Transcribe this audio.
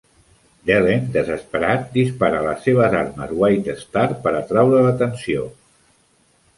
Delenn, desesperat, dispara les seves armes White Star per atraure l'atenció.